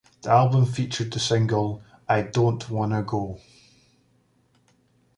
The album featured the single "I Don't Wanna Go".